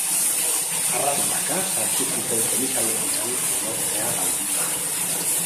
Arrastaka sartu zuten komisaldegian, konortea galduta.